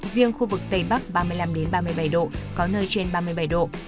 riêng khu vực tây bắc ba mươi năm ba mươi bảy độ có nơi trên ba mươi bảy độ